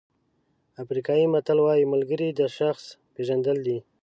افریقایي متل وایي ملګري د شخص پېژندل دي.